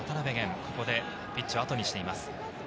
ここでピッチをあとにしています。